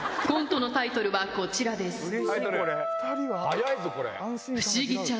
コントのタイトルはこちらです。